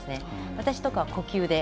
私とかは呼吸で。